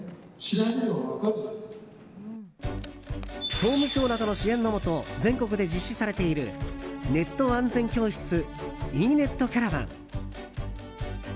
総務省などの支援のもと全国で実施されているネット安全教室ｅ‐ネットキャラバン。